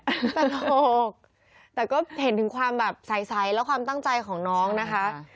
ตลกแต่ก็เห็นถึงความแบบใสและความตั้งใจของน้องนะคะ